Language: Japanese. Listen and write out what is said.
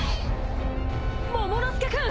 モモの助君！